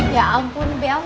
ya ampun bel